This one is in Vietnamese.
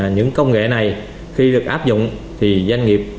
những công nghệ này khi được áp dụng thì doanh nghiệp